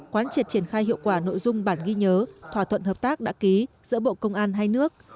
quán triệt triển khai hiệu quả nội dung bản ghi nhớ thỏa thuận hợp tác đã ký giữa bộ công an hai nước